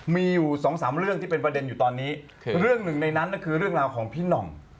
มีอยู่สองสามเรื่องที่เป็นประเด็นอยู่ตอนนี้เรื่องหนึ่งในนั้นก็คือเรื่องราวของพี่หน่อง